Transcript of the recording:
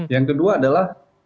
yang kedua adalah